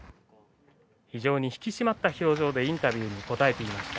非常に引き締まった表情でインタビューに答えていました